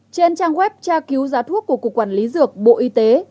trên trang web tra cứu giá thuốc của cục quản lý dược bộ y tế